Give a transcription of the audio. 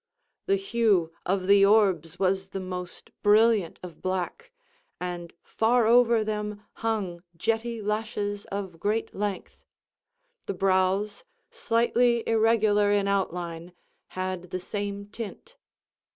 The hue of the orbs was the most brilliant of black, and, far over them, hung jetty lashes of great length. The brows, slightly irregular in outline, had the same tint.